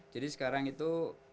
jadi sekarang itu